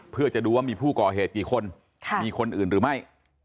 เพื่อจะดูว่ามีผู้ก่อเหตุกี่คนมีคนอื่นหรือไม่